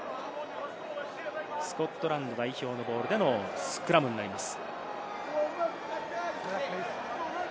スコットランド代表でのモールのスクラムになります。